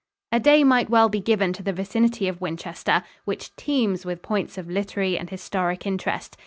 A day might well be given to the vicinity of Winchester, which teems with points of literary and historic interest.